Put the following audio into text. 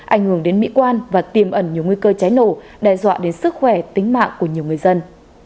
ảnh hưởng đến mỹ quan và tiềm ẩn nhiều nguy cơ cháy nổ đe dọa đến sức khỏe tính mạng của nhiều người dân